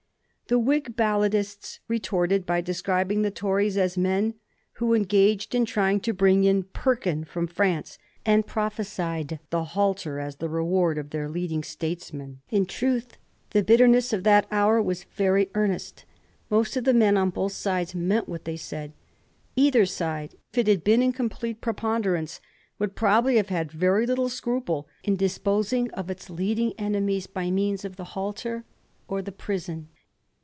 The Whig balladists retorted by describing the Tories as men who were engaged in trying to bring in * Perkin ' from France, and prophesied the halter a& a reward of their leading statesmen. In truth, the bitterness of that hour was very earnest ; most of the men on both sides meant what they said. Either Bide, if it had been in complete preponderance, would probably have had very little scruple in disposing of its leading enemies by means of the halter or the prison.